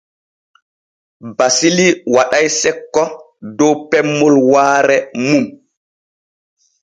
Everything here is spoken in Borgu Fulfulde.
Basili waɗay sekko dow pemmol waare mum.